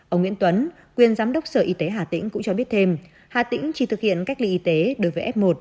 ông nguyễn tuấn quyền giám đốc sở y tế hà tĩnh cũng cho biết thêm hà tĩnh chỉ thực hiện cách ly y tế đối với f một